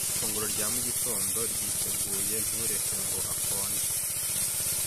Ifunguro rya mugitondo ryiteguye. Ntureke ngo hakonje.